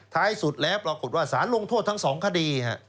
ท้ายสุดแล้วปรากฏว่าสารลงโทษทั้ง๒คดี